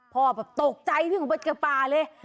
พ่อตกใจเพียงว่าเป็นเกลือปลาเลย